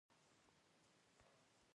پښتون په خر منډې وهې چې ما دې نه لټوي.